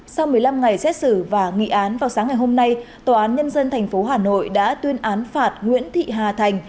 sau một mươi năm ngày xét xử và nghị án vào sáng ngày hôm nay tòa án nhân dân tp hà nội đã tuyên án phạt nguyễn thị hà thành